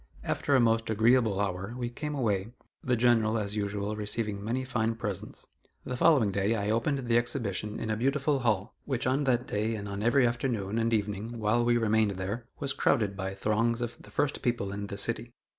After a most agreeable hour we came away the General, as usual, receiving many fine presents. The following day, I opened the exhibition in a beautiful hall, which on that day and on every afternoon and evening while we remained there, was crowded by throngs of the first people in the city.